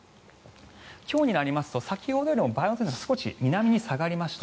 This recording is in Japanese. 今日になりますと先ほどよりも梅雨前線が少し南に下がりました。